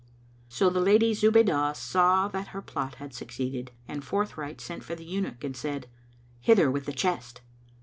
So the Lady Zubaydah saw that her plot had succeeded and forthright sent for the eunuch and said, "Hither with the chest!"